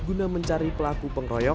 guna mencari pelaku